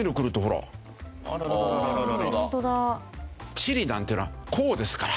チリなんていうのはこうですから。